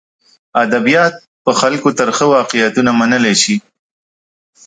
ادبیات په خلکو ترخه واقعیتونه منلی شي.